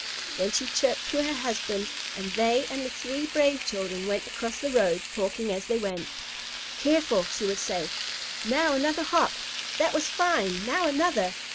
Then she chirped to her husband, and they and the three brave children went across the road, talking as they went. "Careful!" she would say. "Now another hop! That was fine! Now another!"